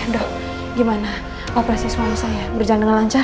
dok gimana operasi suami saya berjalan dengan lancar